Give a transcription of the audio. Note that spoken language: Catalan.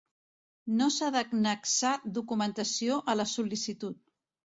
No s'ha d'annexar documentació a la sol·licitud.